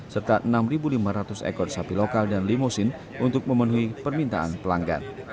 serta enam lima ratus ekor sapi lokal dan limusin untuk memenuhi permintaan pelanggan